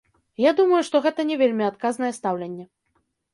Я думаю, што гэта не вельмі адказнае стаўленне.